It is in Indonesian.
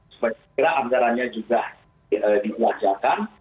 supaya anggaranya juga dikeluarkan